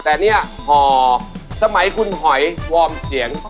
แต่เนี่ยห่อสมัยคุณหอยวอร์มเสียง